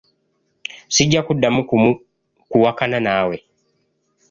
Sijja kuddamu kuwakana naawe.